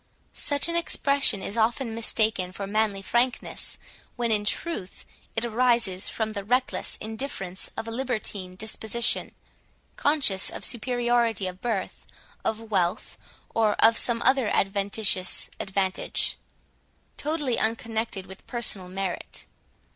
Such an expression is often mistaken for manly frankness, when in truth it arises from the reckless indifference of a libertine disposition, conscious of superiority of birth, of wealth, or of some other adventitious advantage, totally unconnected with personal merit.